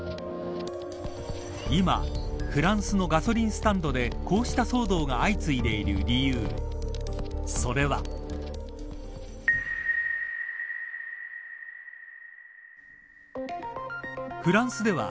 今フランスのガソリンスタンドでこうした騒動が相次いでいる理由それは。